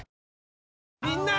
みんな！